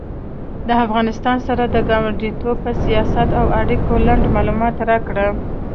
د افغانستان سره د کاونډیانو په سیاست او اړیکو لنډ معلومات راکړه